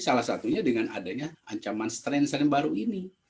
salah satunya dengan adanya ancaman strain strain baru ini